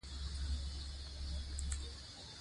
ازادي راډیو د سیاست په اړه د اصلاحاتو غوښتنې راپور کړې.